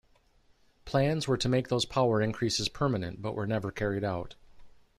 Plans were to make those power increases permanent, but were never carried out.